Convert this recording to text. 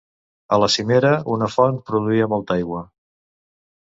A la cimera una font produïa molta aigua.